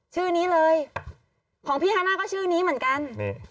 ชื่อนี้เลยของพี่ฮาน่าก็ชื่อนี้เหมือนกันนี่